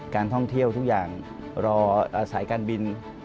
การท่องเที่ยวทุกอย่างรอสายการบิน